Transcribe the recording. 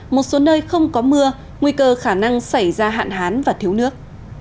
một số nơi không có mưa nguy cơ khả năng xảy ra hạn hán và thiếu nước